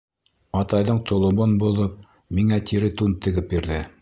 Атайҙың толобон боҙоп, миңә тире тун тегеп бирҙе.